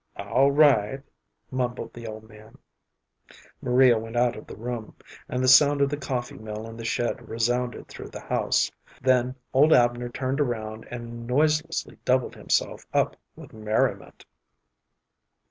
"All right," mumbled the old man. Maria went out of the room, and the sound of the coffee mill in the shed resounded through the house. Then old Abner turned around and noiselessly doubled himself up with merriment.